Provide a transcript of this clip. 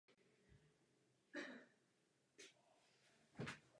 Městské jádro začalo růst a stalo se centrem dodávek a služeb pro obyvatelstvo.